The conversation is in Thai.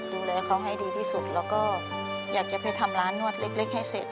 ดูแลเขาให้ดีที่สุดแล้วก็อยากจะไปทำร้านนวดเล็กให้เสร็จ